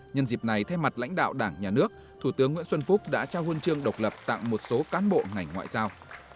nhân dịp này thay mặt lãnh đạo đảng nhà nước thủ tướng nguyễn xuân phúc đã trao huân chương độc lập tặng một số cán bộ ngành ngoại giao